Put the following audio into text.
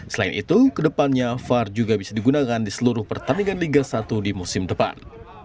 selain itu kedepannya var juga bisa digunakan di seluruh pertandingan liga satu di musim depan